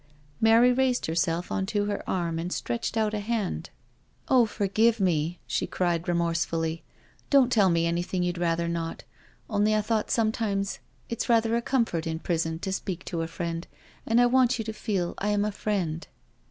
Mary raised herself on to her arm and stretched out a hand: " Oh, forgive me," she cried remorsefully. " Don't tell me anything you*d rather not. Only I thought sometimes it's rather a comfort in prison to speak to a friend— and I want you to feel I am a friend.'